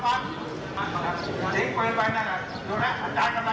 ทางทำดูอธิบทุกคนไม่จำนำใจเลยอาจารย์เนี๊ยะ